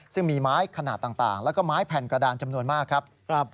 ซึ่งมีไม้ขนาดต่างแล้วก็ไม้แผ่นกระดานจำนวนมากครับ